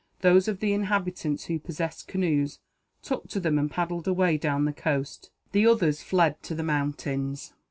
Those of the inhabitants who possessed canoes, took to them and paddled away down the coast. The others fled to the mountains.